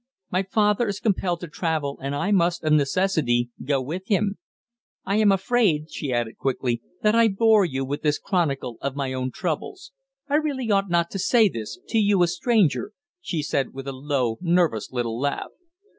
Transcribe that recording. My father is compelled to travel, and I must, of necessity, go with him. I am afraid," she added quickly, "that I bore you with this chronicle of my own troubles. I really ought not to say this to you, a stranger," she said, with a low, nervous little laugh.